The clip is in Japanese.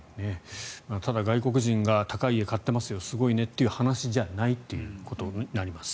ただ外国人が高い家を買ってますよすごいねという話じゃないということになります。